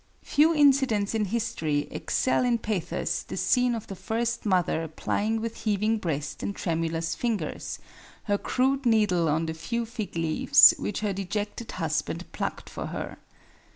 Few incidents in history excel in pathos the scene of the first mother plying with heaving breast and tremulous fingers, her crude needle on the few fig leaves which her dejected husband plucked for her.